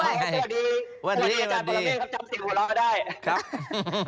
วันนี้อาจารย์ปรเมฆครับจำเสียงหัวเราะได้